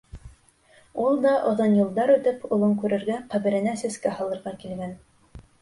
Ул да, оҙон юлдар үтеп, улын күрергә, ҡәберенә сәскә һалырға килгән.